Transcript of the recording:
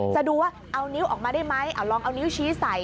จะดูว่าเอานิ้วออกมาได้ไหมเอาลองเอานิ้วชี้ใส่